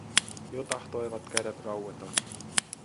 Jo tahtoivat kädet raueta.